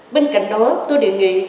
bên cạnh đó tôi đề nghị